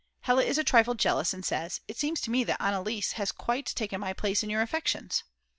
Hella is a trifle jealous and says: "It seems to me that Anneliese has quite taken my place in your affections."